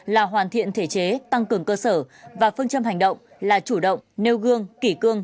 là hoàn thiện thể chế tăng cường cơ sở và phương châm hành động là chủ động nêu gương kỷ cương